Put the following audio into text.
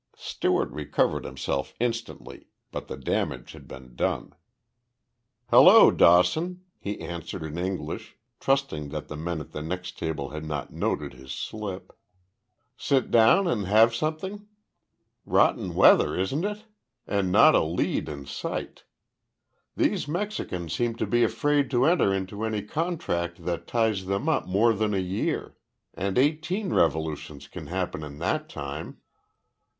Stewart recovered himself instantly, but the damage had been done. "Hello, Dawson," he answered in English, trusting that the men at the next table had not noted his slip. "Sit down and have something? Rotten weather, isn't it? And not a lead in sight. These Mexicans seem to be afraid to enter into any contract that ties them up more than a year and eighteen revolutions can happen in that time."